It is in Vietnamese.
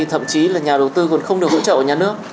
thậm chí là nhà đầu tư còn không được hỗ trợ của nhà nước